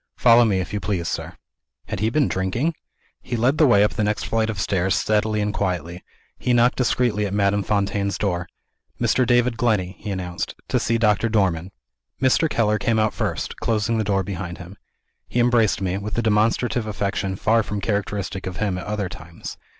Follow me, if you please, sir." Had he been drinking? He led the way up the next flight of stairs, steadily and quietly. He knocked discreetly at Madame Fontaine's door. "Mr. David Glenney," he announced, "to see Doctor Dormann." Mr. Keller came out first, closing the door behind him. He embraced me, with a demonstrative affection far from characteristic of him at other times.